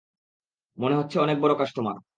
মনে হচ্ছে অনেক বড় কাস্টমার।